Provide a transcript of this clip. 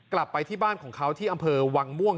กลับไปที่บ้านของเขาที่อำเภอวังม่วง